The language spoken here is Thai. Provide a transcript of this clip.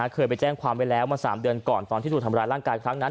เคยไปแจ้งความไว้แล้วมา๓เดือนก่อนตอนที่ถูกทำร้ายร่างกายครั้งนั้น